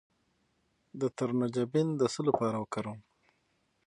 د ترنجبین د څه لپاره وکاروم؟